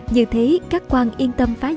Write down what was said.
như thế các quan yên tâm phát triển